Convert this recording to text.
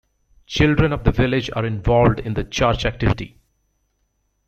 Children of the village are involved in the Church activity.